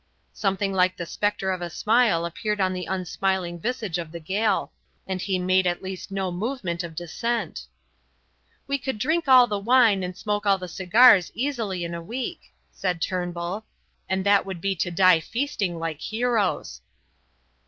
Something like the spectre of a smile appeared on the unsmiling visage of the Gael; and he made at least no movement of dissent. "We could drink all the wine and smoke all the cigars easily in a week," said Turnbull; "and that would be to die feasting like heroes."